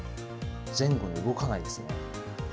前後に動かないですね。